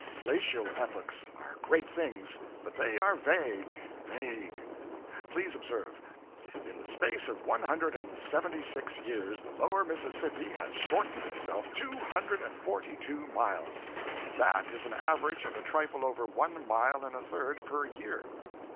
Glacial epochs are great things, but they are vague vague. Please observe: In the space of one hundred and seventy six years the Lower Mississippi has shortened itself two hundred and forty two miles. That is an average of a trifle over one mile and a third per year.